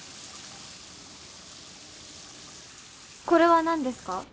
これは何ですか？